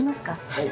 はい。